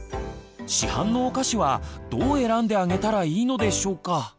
市販のお菓子はどう選んであげたらいいのでしょうか。